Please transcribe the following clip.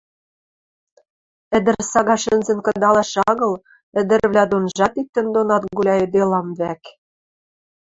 – Ӹдӹр сага шӹнзӹн кыдалаш агыл, ӹдӹрвлӓ донжат иктӹн донат гуляйыделам вӓк...